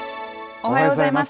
おはようございます。